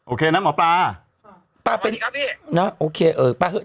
โอเคนะหมอป่าป่าไปดีกับพี่นะโอเคเออป่าเฮ้ย